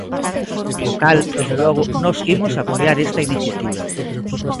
Co cal, desde logo, nós imos apoiar esta iniciativa.